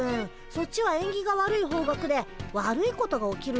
そっちはえんぎが悪い方角で悪いことが起きるんだ。